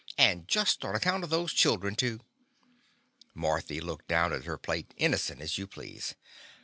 "And just on account of those chil dren, too!" Marthy looked down at her plate, innocent as you please.